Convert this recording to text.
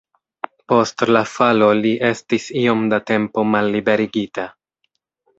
Post la falo li estis iom da tempo malliberigita.